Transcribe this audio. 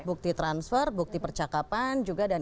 bukti transfer bukti percakapan juga dan